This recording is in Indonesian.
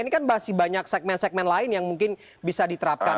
ini kan masih banyak segmen segmen lain yang mungkin bisa diterapkan